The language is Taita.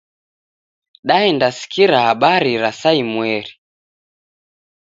Daendasikiria habari ra saa imweri.